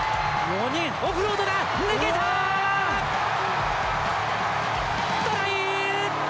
オフロードだ、抜けた！トライ！